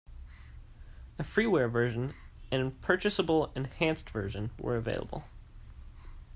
A freeware version and a purchasable "enhanced" version were available.